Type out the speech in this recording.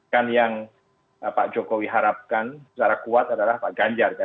kan yang pak jokowi harapkan secara kuat adalah pak ganjar kan